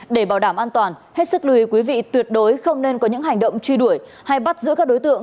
để bảo đảm an toàn hết sức lùi quý vị tuyệt đối không nên có những hành động truy đuổi hay bắt giữa các đối tượng